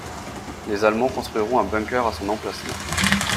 Les Allemands construiront un bunker à son emplacement.